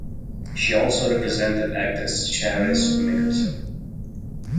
She also represented actress Charis Michelsen.